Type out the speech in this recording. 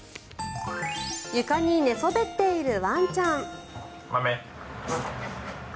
床に寝そべっているワンちゃん。